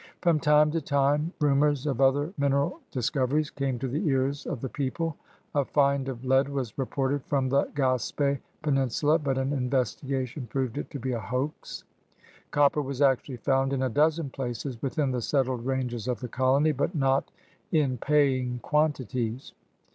From time to time rumors of other mineral dis coveries came to the ears of the people. A find of lead was reported from the Gasp£ penin sula, but an investigation proved it to be a hoax. Copper was actually found in a dozen places within the settled ranges of the colony, but not in paying quantities.